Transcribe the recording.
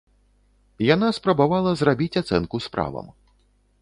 Яна спрабавала зрабіць ацэнку справам.